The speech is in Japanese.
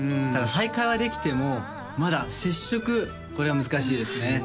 ただ再会はできてもまだ接触これは難しいですね